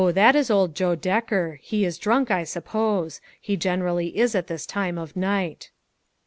it is old Joe Decker; he is drunk, I suppose. He generally is at this time of night."